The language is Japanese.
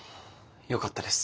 よかったです。